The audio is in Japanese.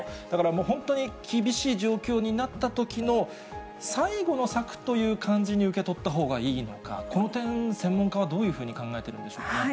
だからもう、本当に厳しい状況になったときの最後の策という感じに受け取ったほうがいいのか、この点、専門家はどういうふうに考えているんでしょうか。